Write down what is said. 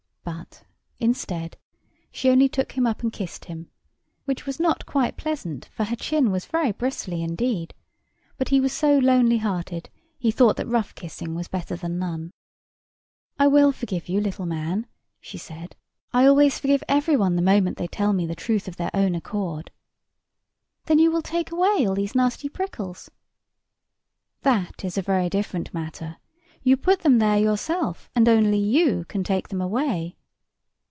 But, instead, she only took him up and kissed him, which was not quite pleasant, for her chin was very bristly indeed; but he was so lonely hearted, he thought that rough kissing was better than none. "I will forgive you, little man," she said. "I always forgive every one the moment they tell me the truth of their own accord." "Then you will take away all these nasty prickles?" "That is a very different matter. You put them there yourself, and only you can take them away."